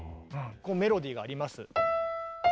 メロディーがあります。